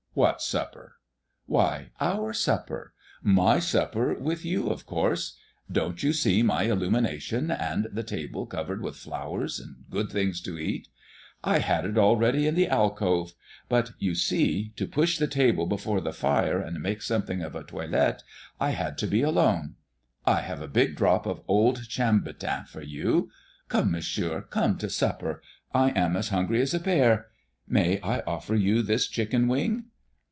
"What supper?" "Why, our supper. My supper with you, of course. Don't you see my illumination and the table covered with flowers and good things to eat? I had it all ready in the alcove; but, you see, to push the table before the fire and make something of a toilet, I had to be alone. I have a big drop of old Chambertin for you. Come, Monsieur, come to supper; I am as hungry as a bear! May I offer you this chicken wing?"